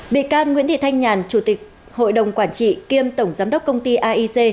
bị can nguyễn thị thanh nhàn chủ tịch hội đồng quản trị kiêm tổng giám đốc công ty aic